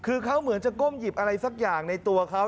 คือเขาเหมือนจะก้มหยิบอะไรสักอย่างในตัวเขา